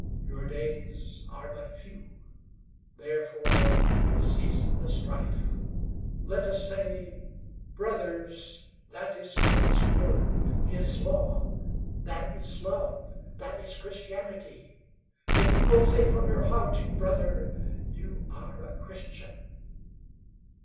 Your days are but few; therefore, cease the the strife. Let us say, 'Brothers, that is God's word, His law; that is love; that is Christianity!' If you will say from your heart, brother, you are a Christian.